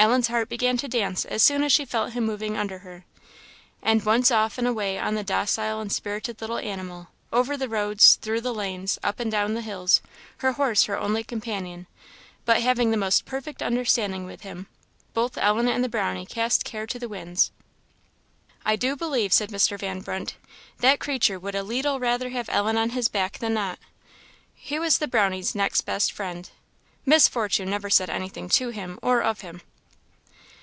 Ellen's heart began to dance as soon as she felt him moving under her; and once off and away on the docile and spirited little animal, over the roads, through the lanes, up and down the hills, her horse her only companion, but having the most perfect understanding with him, both Ellen and the Brownie cast care to the winds. "I do believe," said Mr. Van Brunt, "that critter would a leetle rather have Ellen on his back than not." He was the Brownie's next best friend. Miss Fortune never said anything to him or of him.